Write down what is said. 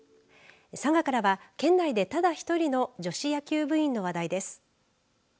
佐賀からは県内でただ１人の女子野球部員の話題です。